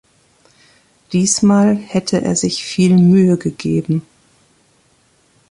Diesmal hätte er sich viel Mühe gegeben.